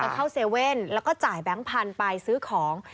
เข้าเว่นแล้วก็จ่ายแบงค์พันธุ์ไปซื้อของ